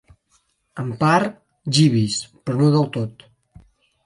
En part, Jeeves, però no del tot.